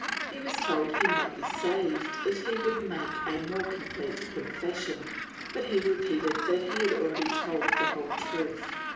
He was told that he might be saved if he would make a more com plete confession, but he repeated that he had already told the whole truth.